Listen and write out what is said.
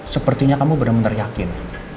sepertinya kamu bener bener yakin